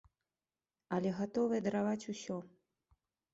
Але гатовыя дараваць усё.